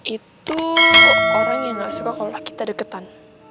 itu orang yang gak suka kalau laki laki ada deketan